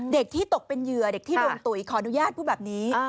เด็กที่ตกเป็นเหยื่อเด็กที่โดนตุ๋ยขออนุญาตพูดแบบนี้